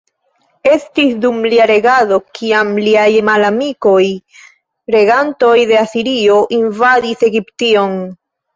Estis dum lia regado kiam liaj malamikoj, regantoj de Asirio, invadis Egiption.